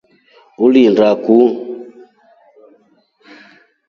Ulinda kuu.